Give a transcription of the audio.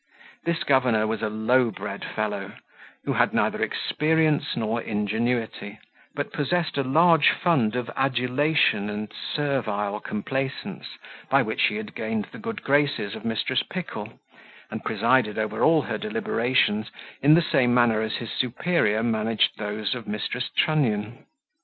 This governor was a low bred fellow, who had neither experience nor ingenuity, but possessed a large fund of adulation and servile complaisance, by which he had gained the good graces of Mrs. Pickle, and presided over all her deliberations in the same manner as his superior managed those of Mrs. Trunnion.